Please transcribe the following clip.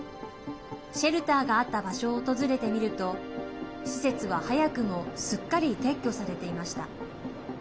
シェルターがあった場所を訪れてみると施設は早くもすっかり撤去されていました。